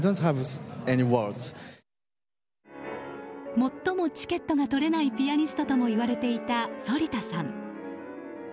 もっともチケットが取れないピアニストとも言われていた反田さん。